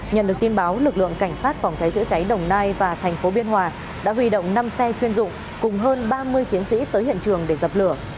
nhận được tin báo lực lượng cảnh sát phòng cháy chữa cháy đồng nai và thành phố biên hòa đã huy động năm xe chuyên dụng cùng hơn ba mươi chiến sĩ tới hiện trường để dập lửa